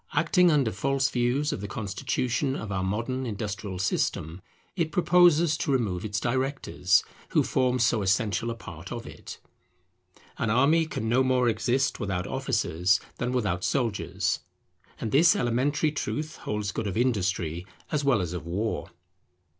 Acting under false views of the constitution of our modern industrial system, it proposes to remove its directors, who form so essential a part of it. An army can no more exist without officers than without soldiers; and this elementary truth holds good of Industry as well as of War.